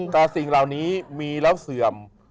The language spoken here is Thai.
แต่สิ่งเหล่านี้มีแล้วเสื่อม